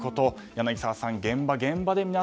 柳澤さん、現場現場で。